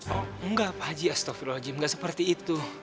oh enggak pak haji astaghfirullahaladzim gak seperti itu